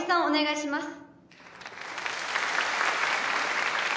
お願いします。